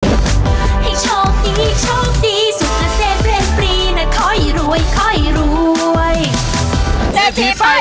ชอบดีชอบดีสุดกระเซงเป็นปีน่ะคอยรวยคอยรวย